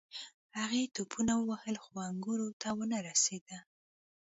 هغې ټوپونه ووهل خو انګورو ته ونه رسیده.